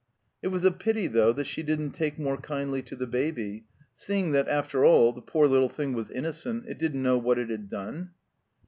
It was a pity, though, that she didn't take more kindly to the baby, seeing that, after all, the poor little thing was innocent, it didn't know what it had done.